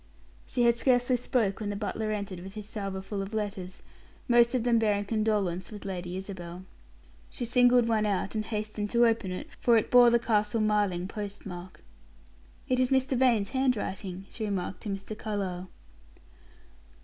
She had scarcely spoke when the butler entered with his salver full of letters, most of them bearing condolence with Lady Isabel. She singled out one and hastened to open it, for it bore the Castle Marling post mark. "It is Mrs. Vane's handwriting," she remarked to Mr. Carlyle.